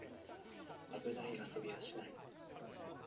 危ない遊びはしない